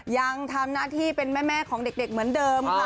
ยังทำหน้าที่เป็นแม่ของเด็กเหมือนเดิมค่ะ